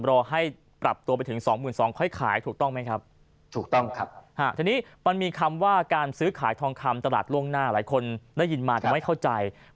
รอให้ปรับตัวไปถึง๒๒๐๐๐บาทค่อยขายถูกต้องไหมครับ